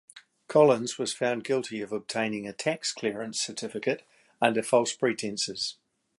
Collins was found guilty of obtaining a tax clearance certificate under false pretences.